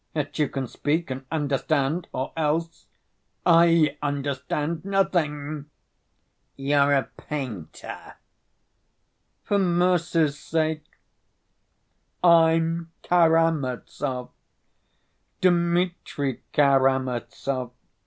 Yet you can speak and understand ... or else ... I understand nothing!" "You're a painter!" "For mercy's sake! I'm Karamazov, Dmitri Karamazov.